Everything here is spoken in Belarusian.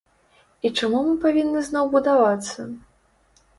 І чаму мы павінны зноў будавацца?